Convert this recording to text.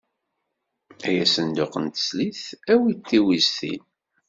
Ay asenduq n teslit, awi-d tiwiztin.